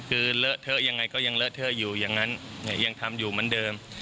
คือเลอะเทอะยังไงก็ยังเลอะเทอะอยู่อย่างนั้นยังทำอยู่เหมือนเดิม